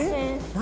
何？